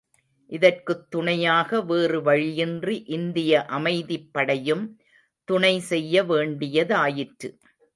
இதற்குத் துணையாக வேறு வழியின்றி இந்திய அமைதிப்படையும் துணை செய்ய வேண்டியதாயிற்று.